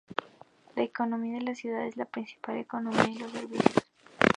La economía de la ciudad es principalmente el comercio y los servicios.